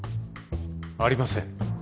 ありません